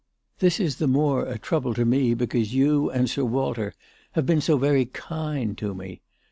This is the more a trouble to me because you and Sir Walter have been so very kind to me.